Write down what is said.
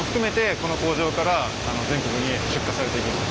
この工場から全国に出荷されていきます。